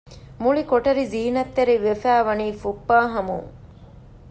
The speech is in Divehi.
މުޅި ކޮޓަރި ޒީނަތްތެރި ވެފައިވަނީ ފުއްޕާހަމުން